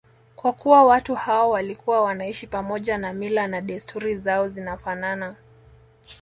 Kwa kuwa watu hao walikuwa wanaishi pamoja na mila na desturi zao zinafanana